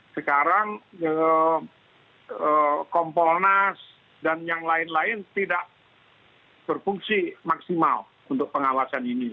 sekarang kompolnas dan yang lain lain tidak berfungsi maksimal untuk pengawasan ini